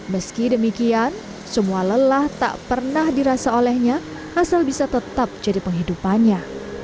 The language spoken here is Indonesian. meski demikian semua lelah tak pernah dirasa olehnya asal bisa tetap jadi penghidupannya